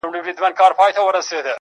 چي تا به وغوښتل ما هغه دم راوړل گلونه,